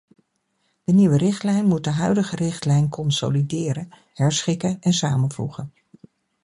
De nieuwe richtlijn moet de huidige richtlijn consolideren, herschikken en samenvoegen.